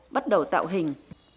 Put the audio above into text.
bắt đầu tạo hình